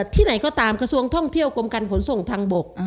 ที่ไหนก็ตามกระทรวงท่องเที่ยวกรมการขนส่งทางบก